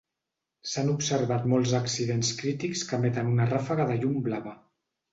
S'han observat molts accidents crítics que emeten una ràfega de llum blava.